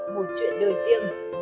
một chuyện đời riêng